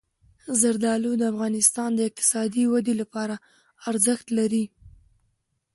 زردالو د افغانستان د اقتصادي ودې لپاره ارزښت لري.